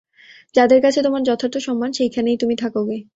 যাদের কাছে তোমার যথার্থ সম্মান সেইখানেই তুমি থাকো গে।